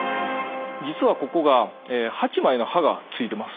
実はここが８枚の刃がついてます。